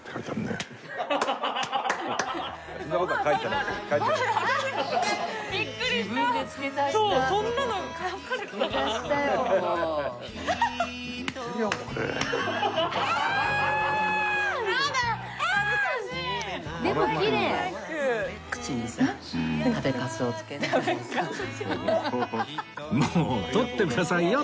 もう取ってくださいよ徳さん